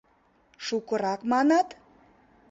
— Шукырак, манат?